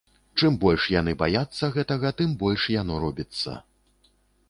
Чым больш яны баяцца гэтага, тым больш яно робіцца.